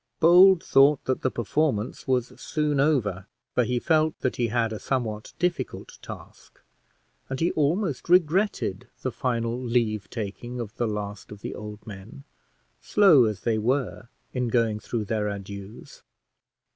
Bold thought that the performance was soon over, for he felt that he had a somewhat difficult task, and he almost regretted the final leave taking of the last of the old men, slow as they were in going through their adieux.